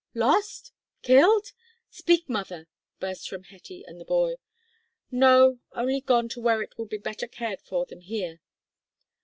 lost? killed? speak, mother," burst from Hetty and the boy. "No, only gone to where it will be better cared for than here."